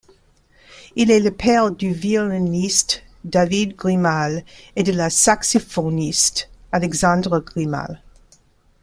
Il est le père du violoniste David Grimal et de la saxophoniste Alexandra Grimal.